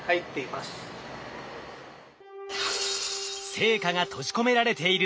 成果が閉じ込められている